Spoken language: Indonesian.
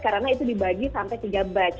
karena itu dibagi sampai tiga batch